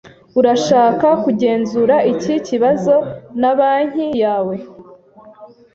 Urashaka kugenzura iki kibazo na banki yawe?